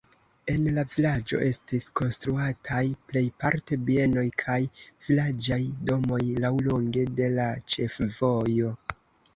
En la vilaĝo estis konstruataj plejparte bienoj kaj vilaĝaj domoj laŭlonge de la ĉefvojo.